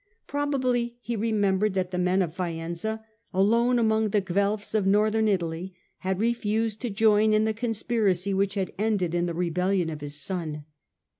Probably he remembered that the men of Faenza, alone among the Guelfs of Northern Italy, had refused to join in the conspiracy which had ended in the rebellion of his son.